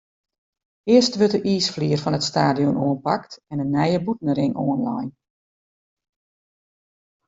Earst wurdt de iisflier fan it stadion oanpakt en de nije bûtenring oanlein.